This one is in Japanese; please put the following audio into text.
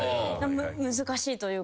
難しいというか。